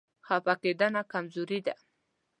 خفه کېدنه کمزوري ده.